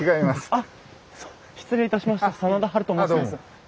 あっ失礼いたしました真田ハルと申します。